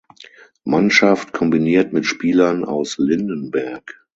Mannschaft, kombiniert mit Spielern aus Lindenberg.